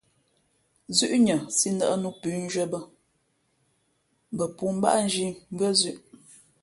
Zʉ́ʼnʉα sī ndα̌ʼ nǔ pʉ̌nzhwīē bᾱ, bᾱ pōōmbáʼ zhī mbʉ́ά zʉ̄ʼ.